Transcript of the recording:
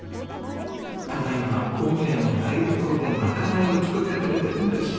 ただ今母屋の台所でまかないを作ってくれてるんです。